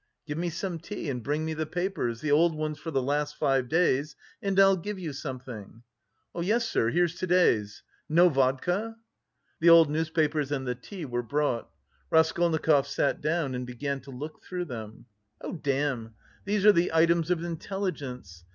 "Give me some tea and bring me the papers, the old ones for the last five days, and I'll give you something." "Yes, sir, here's to day's. No vodka?" The old newspapers and the tea were brought. Raskolnikov sat down and began to look through them. "Oh, damn... these are the items of intelligence.